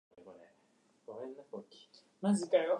もうやめたいんだが